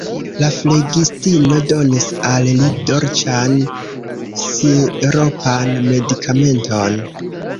La flegistino donis al li dolĉan, siropan medikamenton.